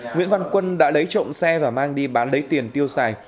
nguyễn văn quân đã lấy trộm xe và mang đi bán lấy tiền tiêu xài